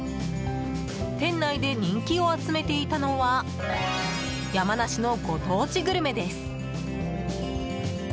店内で、人気を集めていたのは山梨のご当地グルメです。